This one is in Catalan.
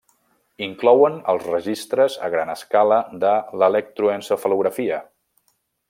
Inclouen els registres a gran escala de l'electroencefalografia.